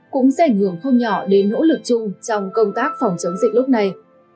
cũng sẽ ảnh hưởng không nhỏ đến nỗ lực chung trong công tác phòng chống dịch lúc này